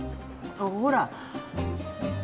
ほら。